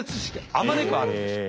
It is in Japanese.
あまねくあるんですよ。